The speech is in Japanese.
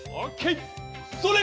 それ！